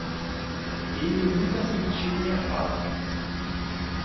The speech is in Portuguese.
Ele nunca sentiu minha falta